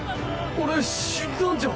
俺死んだんじゃ。